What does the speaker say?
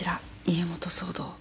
家元騒動。